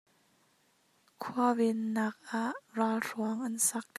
Khua vennak ah ralhruang an sak.